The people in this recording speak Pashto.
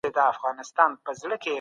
تاسي ولي داسي خوابدي یاست څه سوي دي؟